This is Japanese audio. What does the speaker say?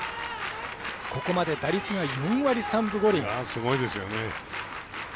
ここまで打率が４割３分５厘。